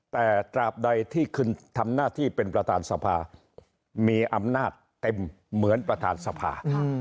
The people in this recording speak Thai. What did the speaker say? แต่ตราบใดที่ขึ้นทำหน้าที่เป็นประธานสภามีอำนาจเต็มเหมือนประธานสภา